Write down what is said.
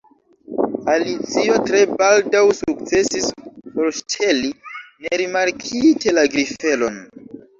Alicio tre baldaŭ sukcesis forŝteli nerimarkite la grifelon.